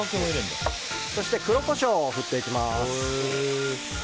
そして黒コショウを振っていきます。